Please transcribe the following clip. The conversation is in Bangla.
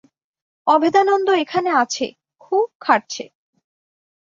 অভেদানন্দ এখানে আছে, খুব খাটছে।